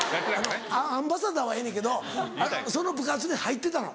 アンバサダーはええねんけどその部活に入ってたの？